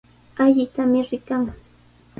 Allitami rikan.